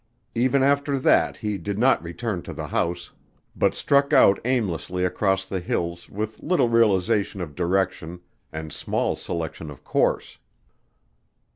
Even after that he did not return to the house, but struck out aimlessly across the hills with little realization of direction and small selection of course.